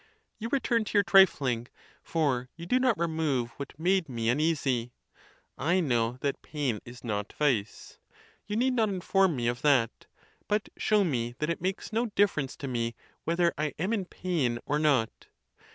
You return to your trifling, for you do not remove what made me un easy. I know that pain is not vice—you need not inform me of that: but show me that it makes no difference to me whether I am in pain or not.